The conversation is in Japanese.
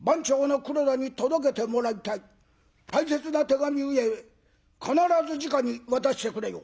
大切な手紙ゆえ必ずじかに渡してくれよ。